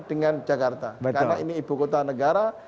dengan jakarta karena ini ibu kota negara